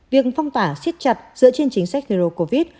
việc phong tỏa siết chặt dựa trên chính sách hero covid